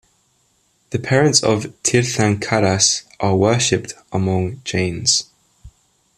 The parents of Tirthankaras are worshipped among Jains.